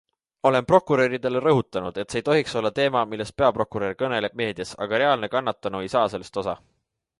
Olen prokuröridele rõhutanud, et see ei tohiks olla teema, millest peaprokurör kõneleb meedias, aga reaalne kannatanu ei saa sellest osa.